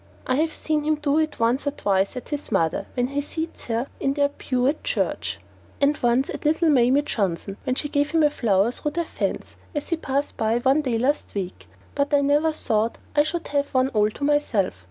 I have seen him do it once or twice at his mother when he seats her in their pew at church, and once at little Mamie Johnson when she gave him a flower through their fence as he passed by one day last week, but I never thought I should have one all to myself.